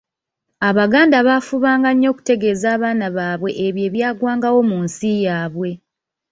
Abaganda baafubanga nnyo okutegeeza abaana baabwe ebyo ebyagwangawo mu nsi yaabwe.